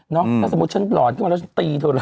เนาะถ้าสมมติฉันหล่อนขึ้นมาแล้วฉันตีถูกหรือ